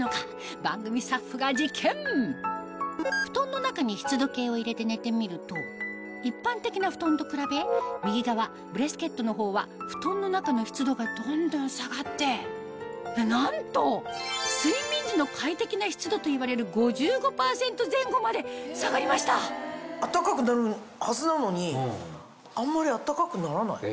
番組スタッフが実験布団の中に湿度計を入れて寝てみると一般的な布団と比べ右側ブレスケットの方は布団の中の湿度がどんどん下がってなんと睡眠時の快適な湿度といわれる５５％前後まで下がりました暖かくなるはずなのにあんまり暖かくならない。